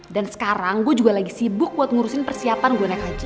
dan sekarang gue juga lagi sibuk buat ngurusin persiapan gue naik haji